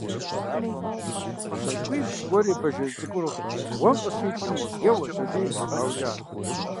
ЩакӀуибл кӀуэри, бажэжь цӀыкӀур гъуэм къыщикӀым еуэщ аби, къаукӀащ.